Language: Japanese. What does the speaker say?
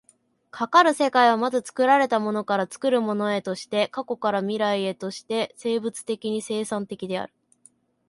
かかる世界は、まず作られたものから作るものへとして、過去から未来へとして生物的に生産的である。